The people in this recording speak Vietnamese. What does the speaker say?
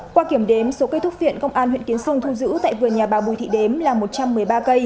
qua kiểm đếm số cây thuốc viện công an huyện kiến sương thu giữ tại vườn nhà bà bùi thị đếm là một trăm một mươi ba cây